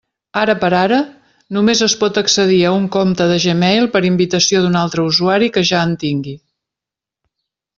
Ara per ara, només es pot accedir a un compte de Gmail per invitació d'un altre usuari que ja en tingui.